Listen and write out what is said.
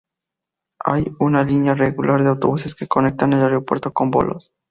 Hay una línea regular de autobuses que conectan el aeropuerto con Volos.